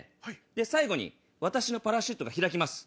最後に私のパラシュートが開きます。